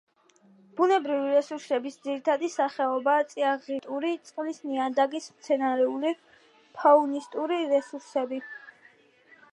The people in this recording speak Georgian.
ბუნებრივი რესურსების ძირითადი სახეობებია: წიაღისეული, კლიმატური, წყლის, ნიადაგის, მცენარეული, ფაუნისტური რესურსები.